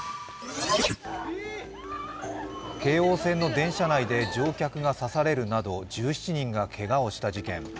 京王線の電車内で乗客が刺されるなど１７人がけがをした事件。